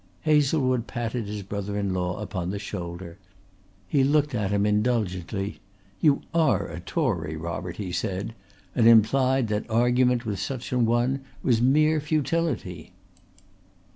Hazlewood patted his brother in law upon the shoulder. He looked at him indulgently. "You are a Tory, Robert," he said, and implied that argument with such an one was mere futility.